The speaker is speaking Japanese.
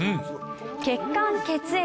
血管・血液。